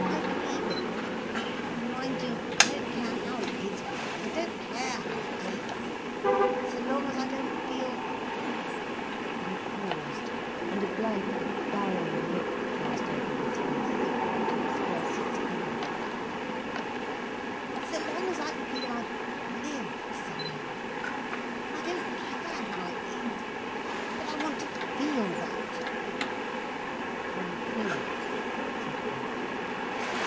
I believe it. And mind you, I don't care how it is with me—I don't care how it is—so long as I don't feel—" he paused, and a blank, barren look passed over his face, to express his feeling—"so long as I feel I've lived, somehow—and I don't care how it is—but I want to feel that—" "Fulfilled," said Birkin.